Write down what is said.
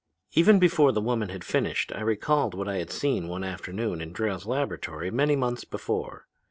"Even before the woman had finished I recalled what I seen one afternoon in Drayle's laboratory many months before.